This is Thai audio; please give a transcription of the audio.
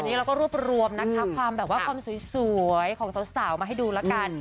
อันนี้เราก็รวบนะคะความสวยของสาวมาให้ดูแล้วกัน